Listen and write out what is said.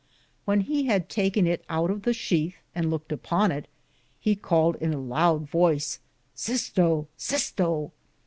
When he had taken it oute of the sheathe and louked upon it, he caled with a loude voyce : Sisto, Sisto